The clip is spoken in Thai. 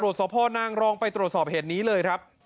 สพนางรองไปตรวจสอบเหตุนี้เลยครับ